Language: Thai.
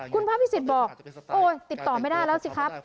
คุณพักพิศิษฐ์บอกติดต่อไม่ได้แล้วสิครับ